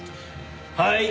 はい！